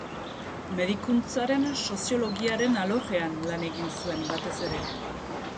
Medikuntzaren soziologiaren alorrean lan egin zuen batez ere.